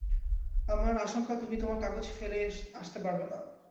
আমার আশঙ্কা, তুমি তোমার কাগজ ফেলে আসতে পারবে না।